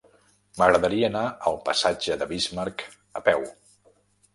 M'agradaria anar al passatge de Bismarck a peu.